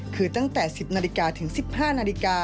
คือตั้งแต่๑๐นถึง๑๕น